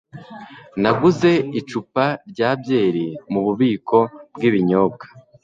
Naguze icupa rya byeri mububiko bwibinyobwa.